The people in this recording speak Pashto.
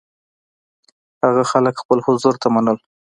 هغه خلک خپل حضور ته منل.